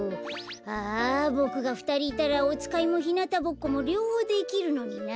ああボクがふたりいたらおつかいもひなたぼっこもりょうほうできるのにな。